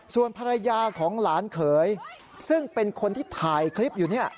ส่วนภรรยาของหลานเขยซึ่งเป็นคนที่ถ่ายคลิปอยู่เนี่ย